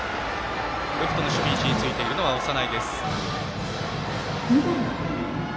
レフトの守備位置についているのは長内です。